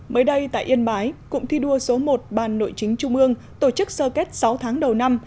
mới đây tại yên bái cụm thi đua số một ban nội chính trung ương tổ chức sơ kết sáu tháng đầu năm